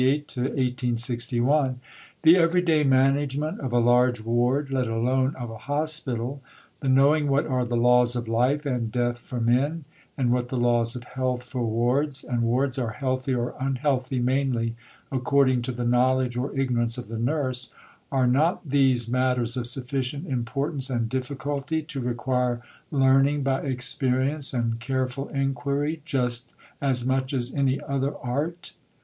8. Herbert (Bibliography A., No. 29), p. 3. PART IV HOSPITALS AND NURSING (1858 1861) The everyday management of a large ward, let alone of a hospital, the knowing what are the laws of life and death for men, and what the laws of health for wards (and wards are healthy or unhealthy mainly according to the knowledge or ignorance of the nurse), are not these matters of sufficient importance and difficulty to require learning by experience and careful inquiry, just as much as any other art?